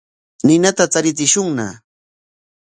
Ninata charichishunña.